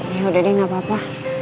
yaudah deh gak apa apa